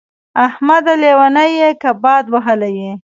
احمده! لېونی يې که باد وهلی يې.